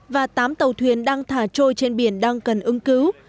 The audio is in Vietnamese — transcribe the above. và tám tàu thuyền đang thả trôi trên biển đang cần ứng cứu